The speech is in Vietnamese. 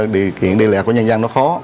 điều kiện đi lẹ của nhân dân nó khó